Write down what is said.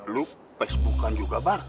lu facebookan juga bar